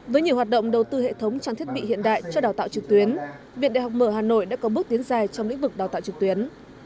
với nhiều hoạt động đầu tư hệ thống trang thiết bị hiện đại cho đào tạo trực tuyến viện đại học mở hà nội đã có bước tiến dài trong lĩnh vực đào tạo trực tuyến